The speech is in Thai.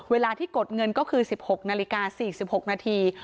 เวลาที่กดเงินก็คือ๑๖นาฬิกา๔๖นาที